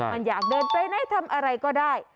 มันอยากเดินไปไหนทำอะไรก็ได้